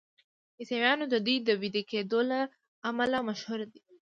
عیسویان د دوی د ویده کیدو له امله مشهور دي.